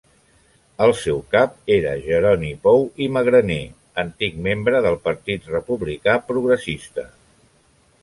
El seu cap era Jeroni Pou i Magraner, antic membre del Partit Republicà Progressista.